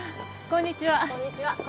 こんにちは。